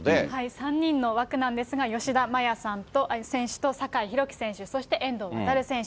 ３人の枠なんですが、吉田麻也選手と酒井宏樹選手、そして遠藤航選手。